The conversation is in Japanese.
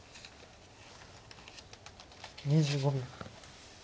２５秒。